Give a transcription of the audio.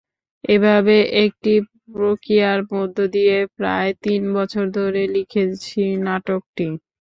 এভাবে একটি প্রক্রিয়ার মধ্য দিয়ে প্রায় তিন বছর ধরে লিখেছি নাটকটি।